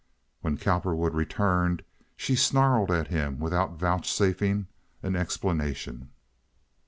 When Cowperwood returned she snarled at him without vouchsafing an explanation.